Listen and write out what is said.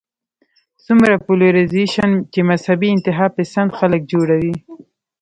څومره پولرايزېشن چې مذهبي انتها پسند خلک جوړوي